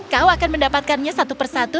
kau akan mendapatkannya satu persatu